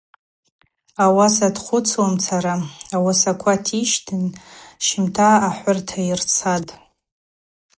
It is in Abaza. Ауаса дхъвыцуамцара йуасаква тищтын щымта ахӏвырта йырцатӏ.